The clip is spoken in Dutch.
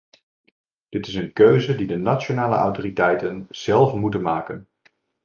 Dit is een keuze die de nationale autoriteiten zelf moeten maken.